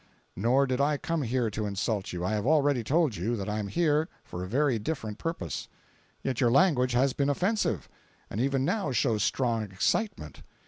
"Nor did I come here to insult you. I have already told you that I am here for a very different purpose." "Yet your language has been offensive, and even now shows strong excitement.